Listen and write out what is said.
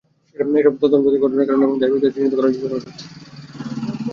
এসব তদন্ত প্রতিবেদন ঘটনার কারণ এবং দায়ী ব্যক্তিদের চিহ্নিত করার জন্য জরুরি।